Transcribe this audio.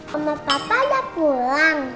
mama papa udah pulang